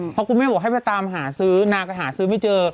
เพราะคุณแม่บอกให้ไปตามหาซื้อนางก็หาซื้อไม่เจอ